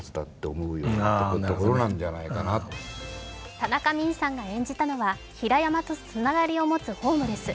田中泯さんが演じたのは平山とつながりを持つホームレス。